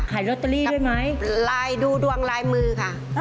ขายลอตเตอรี่ด้วยไหมดูดวงลายมือค่ะ